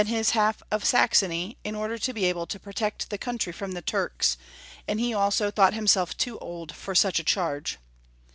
271 than Ms* half of Saxony, in order to be able to protect the country from the Turks, and he also thought himself too old for such a charge.